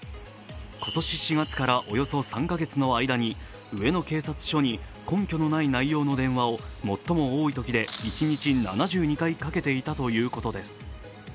今年４月から、およそ３カ月の間に上野警察署に根拠のない内容の電話を最も多いときで一日７２回かけていたということです。